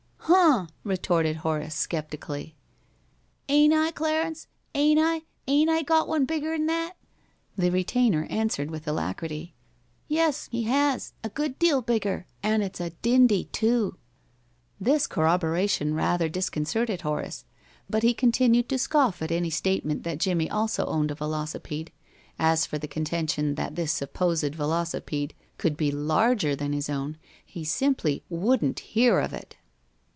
"Huh!" retorted Horace, sceptically. "'Ain't I, Clarence? 'Ain't I? 'Ain't I got one bigger'n that?" The retainer answered with alacrity: "Yes, he has! A good deal bigger! An' it's a dindy, too!" This corroboration rather disconcerted Horace, but he continued to scoff at any statement that Jimmie also owned a velocipede. As for the contention that this supposed velocipede could be larger than his own, he simply wouldn't hear of it.